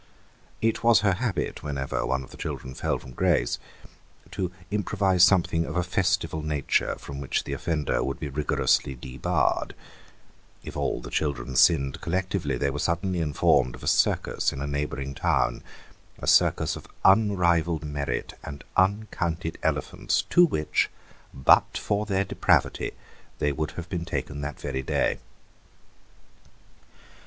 It was her habit, whenever one of the children fell from grace, to improvise something of a festival nature from which the offender would be rigorously debarred; if all the children sinned collectively they were suddenly informed of a circus in a neighbouring town, a circus of unrivalled merit and uncounted elephants, to which, but for their depravity, they would have been taken that very day.